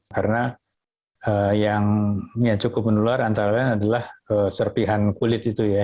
karena yang cukup menular antara lain adalah serpihan kulit itu ya